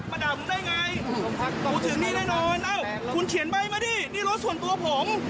ถ้าทำผิดก็ยอมรับคุณเขียนใบมาดิครับ